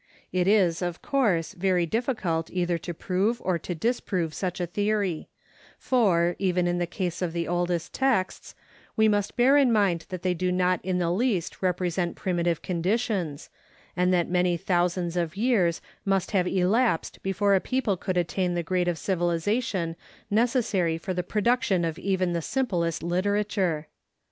It is, of course, very difficult either to prove or to disprove such a theory, for, even in the case of the oldest texts, we must bear in mind that they do not in the least represent primitive conditions, and that many thousands of years must have elapsed before a people could attain the grade of civilization necessary for the production of even the simplest literature.